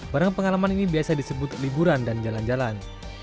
barang pengalaman ini biasa disebut liburan dan jalan jalan